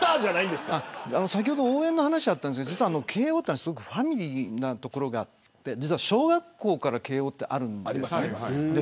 先ほど応援の話あったんですけど実は慶応はファミリーなところがあって小学校から慶応ってあるんですね。